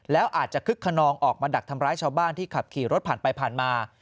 แล้วอาจจะคึกขนองออกมาดักทำร้ายชาวบ้านที่ขับขี่รถผ่านไปผ่านมา